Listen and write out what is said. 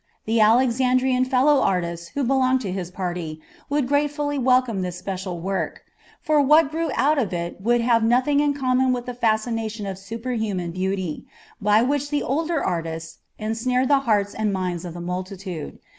The Alexandrian fellow artists who belonged to his party would gratefully welcome this special work; for what grew out of it would have nothing in common with the fascination of superhuman beauty, by which the older artists ensnared the hearts and minds of the multitude.